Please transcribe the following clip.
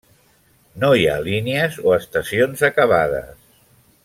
No hi ha línies o estacions acabades.